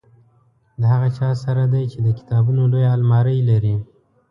د هغه چا سره دی چې د کتابونو لویه المارۍ لري.